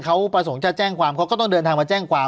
เขาประสงค์จะแจ้งความเขาก็ต้องเดินทางมาแจ้งความ